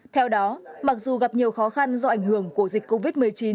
theo đó mặc dù gặp nhiều khó khăn do ảnh hưởng của dịch covid một mươi chín